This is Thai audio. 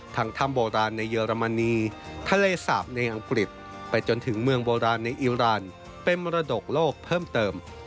ถ้ำโบราณในเยอรมนีทะเลสาปในอังกฤษไปจนถึงเมืองโบราณในอิราณเป็นมรดกโลกเพิ่มเติม